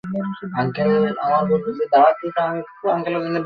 হোটেলের tower block সিঙ্গাপুরের জাতীয় স্মৃতিস্তম্ভ হিসাবে গেজেট করা হয়েছে।